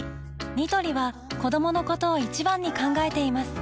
ニトリは子どものことを一番に考えています